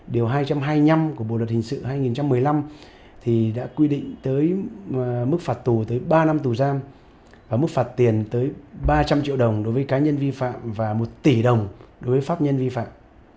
điều hai trăm hai mươi năm của bộ luật hình sự hai nghìn một mươi năm thì đã quy định tới mức phạt tù tới ba năm tù giam mức phạt tiền tới ba trăm linh triệu đồng đối với cá nhân vi phạm và một tỷ đồng đối với pháp nhân vi phạm